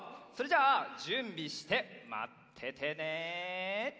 それじゃあじゅんびしてまっててね。